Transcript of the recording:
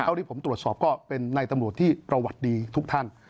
ที่ผมตรวจสอบก็เป็นในตำรวจที่ประวัติดีทุกท่าน